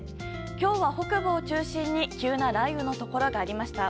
今日は北部を中心に急な雷雨のところがありました。